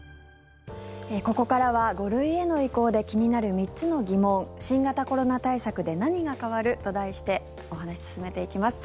ここからは５類への移行で気になる３つの疑問新型コロナ対策で何が変わる？と題して、お話進めていきます。